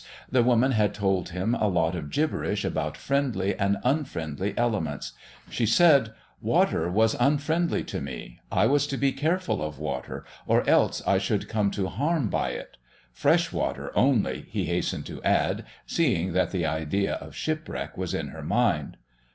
The woman had told him a lot of gibberish about friendly and unfriendly elements. "She said water was unfriendly to me; I was to be careful of water, or else I should come to harm by it. Fresh water only," he hastened to add, seeing that the idea of shipwreck was in her mind.